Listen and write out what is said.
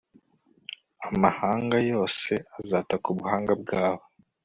amahanga yose azataka ubuhanga bwabo